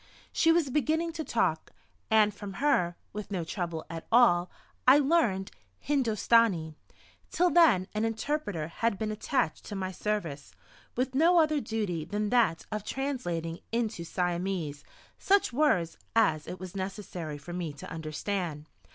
She was beginning to talk, and from her, with no trouble at all I learned Hindostani; till then an interpreter had been attached to my service, with no other duty than that of translating into Siamese such words as it was necessary for me to understand.